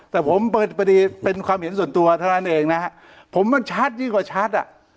แต่ผมเป็นความเห็นส่วนตัวเท่านั้นเองผมมันชัดยิ่งกว่าชัด